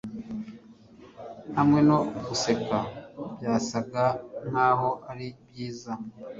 Hamwe no guseka byasaga nkaho ari byiza